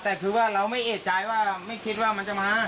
แต่คือว่าเราไม่เอกใจว่าไม่คิดว่ามันจะมา